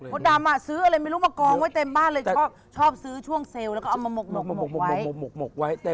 ดำซื้ออะไรไม่รู้มากองไว้เต็มบ้านเลยชอบซื้อช่วงเซลล์แล้วก็เอามาหมกไว้